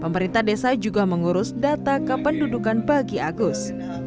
pemerintah desa juga mengurus data kependudukan bagi agus